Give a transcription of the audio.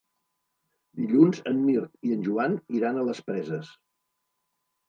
Dilluns en Mirt i en Joan iran a les Preses.